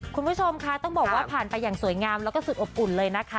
คุณผู้ชมค่ะต้องบอกว่าผ่านไปอย่างสวยงามแล้วก็สุดอบอุ่นเลยนะคะ